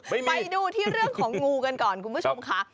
ไปดูที่เรื่องของงูกันก่อนคุณผู้ชมค่ะ